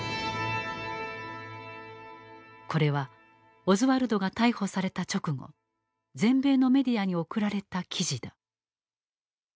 これはオズワルドが逮捕された直後全米のメディアに送られた記事だ。